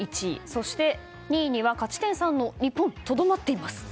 そして、２位には勝ち点３の日本がとどまっています。